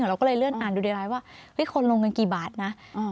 เราก็เลยเลื่อนอ่านดูในไลน์ว่าคนลงเงินกี่บาทนะ